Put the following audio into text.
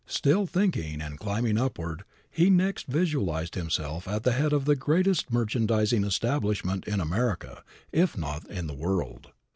Still thinking and climbing upward, he next visualized himself at the head of the greatest merchandizing establishment in America, if not in the world.